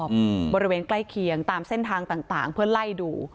บริเวณใกล้เคียงตามเส้นทางต่างต่างเพื่อไล่ดู